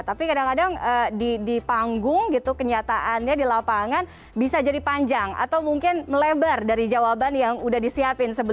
tapi kadang kadang di panggung gitu kenyataannya di lapangan bisa jadi panjang atau mungkin melebar dari jawaban yang udah disiapin